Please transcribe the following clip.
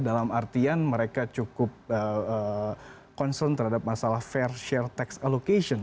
dalam artian mereka cukup concern terhadap masalah fair share tax allocation